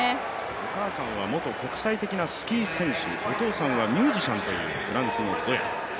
お母さんは元国際的なスキー選手、お父さんはミュージシャンというフランスのゾヤ。